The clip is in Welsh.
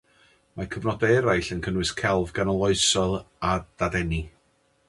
Mae cyfnodau eraill yn cynnwys celf ganoloesol a Dadeni.